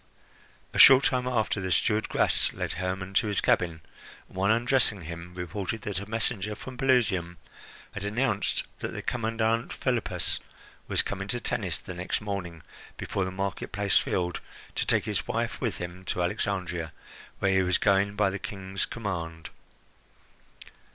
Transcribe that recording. A short time after, the steward Gras led Hermon to his cabin, and while undressing him reported that a messenger from Pelusium had announced that the commandant Philippus was coming to Tennis the next morning, before the market place filled, to take his wife with him to Alexandria, where he was going by the King's command.